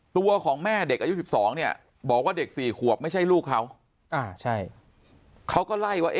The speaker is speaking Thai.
ตัวของแม่เด็กอายุ๑๒เนี่ยบอกว่าเด็ก๔ขวบไม่ใช่ลูกเขาเขาก็ไล่ว่า